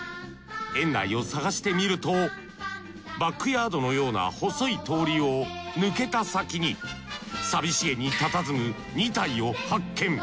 園内を探してみるとバックヤードのような細い通りを抜けた先に寂しげに佇む２体を発見。